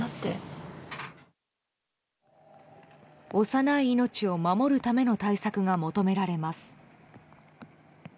幼い命を守るための対策が求められます。